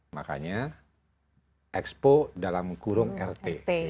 makanya expo dalam kurung rt